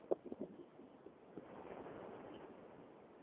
岩手县盛冈市出身。